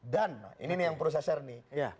dan ini nih yang prosesor nih